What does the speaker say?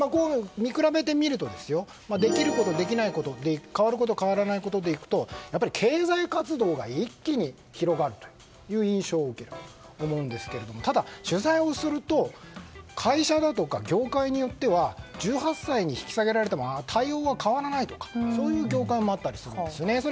見比べてみるとできること、できないこと変わること変わらないことでいくとやっぱり経済活動が一気に広がるという印象を受けると思うんですけどただ、取材をすると会社だとか業界によっては１８歳に引き下げられても対応は変わらないとかそういう業界もあったりするんですね。